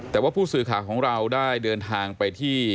แต่ว่าผู้สื่อข่าวของเราได้เดินทางไปที่